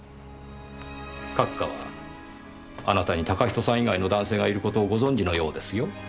閣下はあなたに嵩人さん以外の男性がいることをご存じのようですよ。